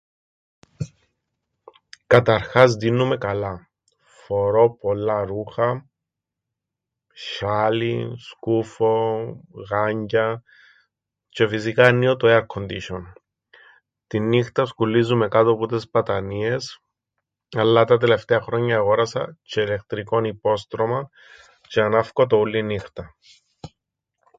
Κατ' αρχάς, ντύννουμαι καλά. Φορώ πολλά ρούχα, σ̆άλιν, σκούφον, γάγκια... Τζ̆αι φυσικά αννοίω το έαρκκοντισ̆ον. Την νύχταν σκουλλίζουμαι κάτω που τες πατανίες, αλλά τα τελευταία χρόνια εγόρασα τζ̆αι ηλεκτρικόν υπόστρωμαν τζ̆αι ανάφκω το ούλλη νύχτα.